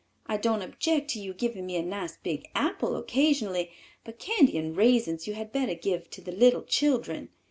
I don't object to your giving me a nice big apple occasionally, but candy and raisins you had better give to the little children.